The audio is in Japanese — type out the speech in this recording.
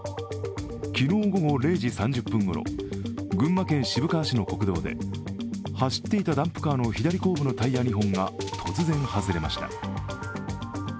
昨日午後０時３０分ごろ、群馬県渋川市の国道で走っていたダンプカーの左後部のタイヤ２本が突然外れました。